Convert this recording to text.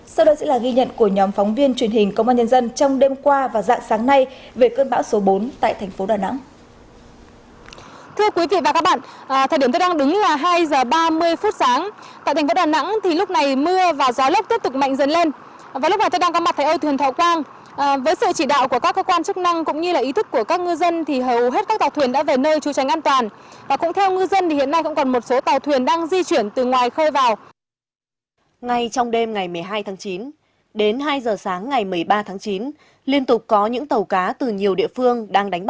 sau đó sẽ là ghi nhận của nhóm phóng viên truyền hình công an nhân dân trong đêm qua và dạng sáng nay về cơn bão số bốn tại thành phố đà nẵng